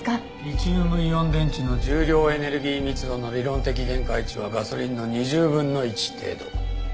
リチウムイオン電池の重量エネルギー密度の理論的限界値はガソリンの２０分の１程度。